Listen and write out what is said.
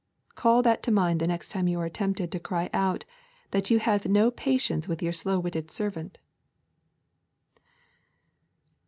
Call that to mind the next time you are tempted to cry out that you have no patience with your slow witted servant.